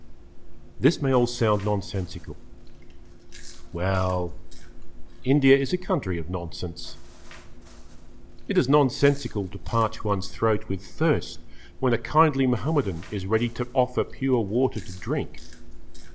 This may all sound nonsensical. Well, India is a country of nonsense. It is nonsensical to parch one's throat with thirst when a kindly Mahomedan is ready to offer pure water to drink.